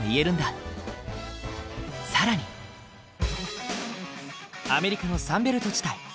更にアメリカのサンベルト地帯。